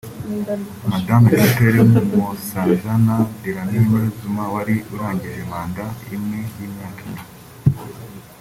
Mme Dr Nkosazana Dlamini Zuma wari urangije manda imwe y’imyaka ine